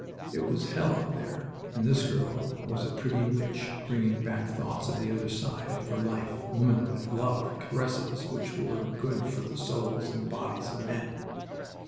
It was hell up there, and this girl was a pretty witch, bringing back thoughts of the other side for life, womanhood, love, caresses which were good for the souls and bodies of men.